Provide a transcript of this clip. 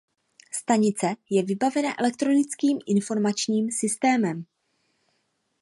Stanice je vybavena elektronickým informačním systémem.